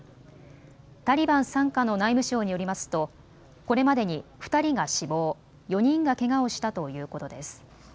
タリバン傘下の内務省によりますとこれまでに２人が死亡、４人がけがをしたということです。